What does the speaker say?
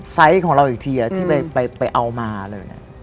ไซส์ของเราอีกทีที่ไปเอามาเลย